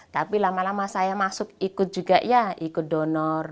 tapi lama lama saya masuk ikut juga ya ikut donor